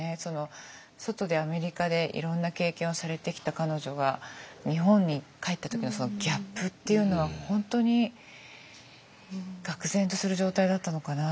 外でアメリカでいろんな経験をされてきた彼女が日本に帰った時のそのギャップっていうのは本当にがく然とする状態だったのかなと。